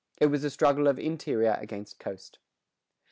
It was a struggle of interior against coast.